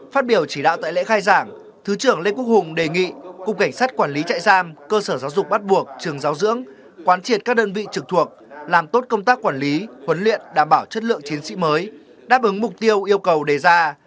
phát biểu chỉ đạo tại lễ khai giảng thứ trưởng lê quốc hùng đề nghị cục cảnh sát quản lý trại giam cơ sở giáo dục bắt buộc trường giáo dưỡng quán triệt các đơn vị trực thuộc làm tốt công tác quản lý huấn luyện đảm bảo chất lượng chiến sĩ mới đáp ứng mục tiêu yêu cầu đề ra